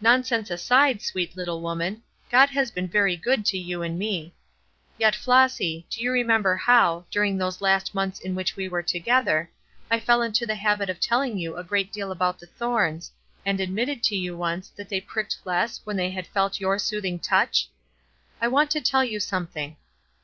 "Nonsense aside, sweet little woman, God has been very good to you and me. Yet, Flossy, do you remember how, during those last months in which we were together, I fell into the habit of telling you a great deal about the thorns, and admitted to you once that they pricked less when they had felt your smoothing touch? I want to tell you something.